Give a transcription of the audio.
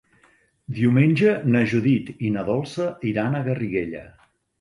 Diumenge na Judit i na Dolça iran a Garriguella.